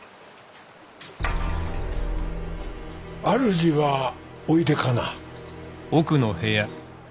主はおいでかな？